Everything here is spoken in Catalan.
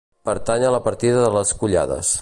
Pertany a la partida de les Collades.